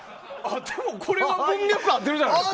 でも、これは文脈合ってるじゃないですか。